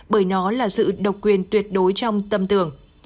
bởi nó là sự độc quyền tuyệt đối trong tâm tưởng